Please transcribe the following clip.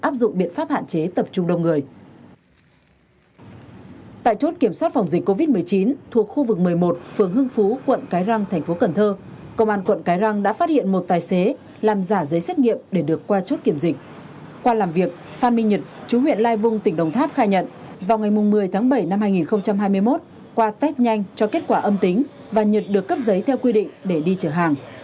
vào ngày một mươi tháng bảy năm hai nghìn hai mươi một qua test nhanh cho kết quả âm tính và nhật được cấp giấy theo quy định để đi chở hàng